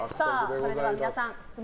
それでは皆さん